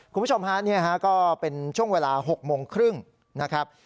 คุณผู้ชมฮานี่ก็เป็นช่วงเวลา๖๓๐นนะครับ